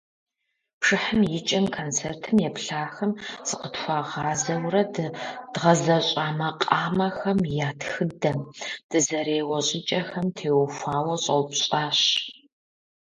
Пшыхьым и кӀэм концертым еплъахэм зыкъытхуагъазэурэ дгъэзэщӀа макъамэхэм я тхыдэм, дызэреуэ щӀыкӀэхэм теухуауэ щӀэупщӀащ.